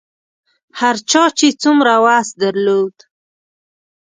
هر چا چې څومره وس درلود.